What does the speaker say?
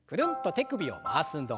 手首を回す運動。